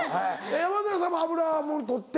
山寺さんも油もの取って？